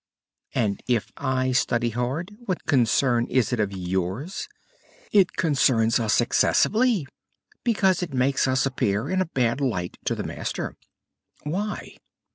"And if I study hard, what concern is it of yours?" "It concerns us excessively, because it makes us appear in a bad light to the master." "Why?"